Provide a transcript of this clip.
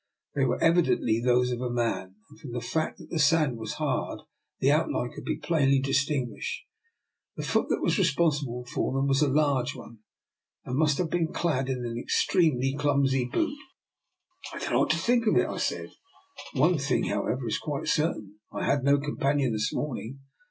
They were evidently those of a man, and from the fact that the sand was hard the outline could be plainly dis tinguished. The foot that was responsible for them was a large one, and must have been clad in an exceedingly clumsy boot. " I don't know what to think of it," I said. " One thing, however, is quite certain; I had no companion this morning.